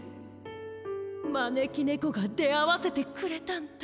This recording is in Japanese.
まねきねこがであわせてくれたんだって。